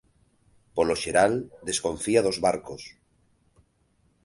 Polo xeral desconfía dos barcos.